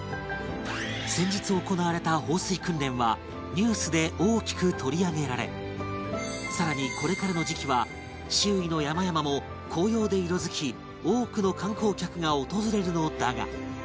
先日行われた放水訓練はニュースで大きく取り上げられ更にこれからの時期は周囲の山々も紅葉で色付き多くの観光客が訪れるのだが